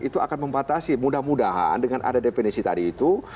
itu akan membatasi mudah mudahan dengan ada definisi tadi itu